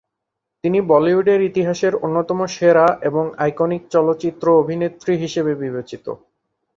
তিনি বলিউডের ইতিহাসের অন্যতম সেরা এবং আইকনিক চলচ্চিত্র অভিনেত্রী হিসাবে বিবেচিত।